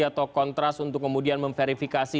atau kontras untuk kemudian memverifikasi